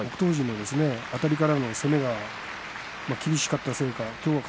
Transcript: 富士のあたりからの攻めが厳しかったですね。